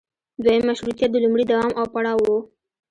دویم مشروطیت د لومړي دوام او پړاو و.